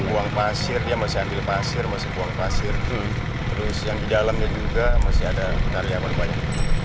buang pasir dia masih ambil pasir masih buang pasir terus yang di dalamnya juga masih ada tariapan banyak